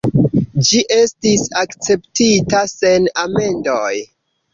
Ĝi estis akceptita sen amendoj.